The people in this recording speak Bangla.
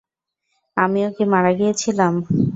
আমিও কি মারা গিয়েছিলাম?